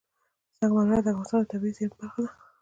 سنگ مرمر د افغانستان د طبیعي زیرمو برخه ده.